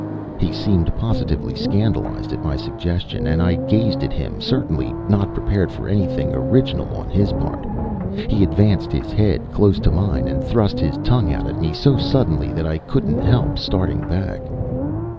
He seemed positively scandalized at my suggestion. And as I gazed at him certainly not prepared for anything original on his part, he advanced his head close to mine and thrust his tongue out at me so suddenly that I couldn't help starting back.